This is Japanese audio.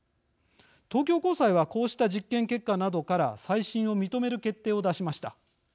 東京高裁はこうした実験結果などから再審を認める決定を出しました。